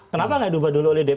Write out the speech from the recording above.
kenapa nggak diubah dulu oleh dpr